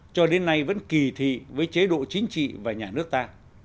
cho đến nay vẫn kỳ thị với chế độ chính trị và nhà nước ta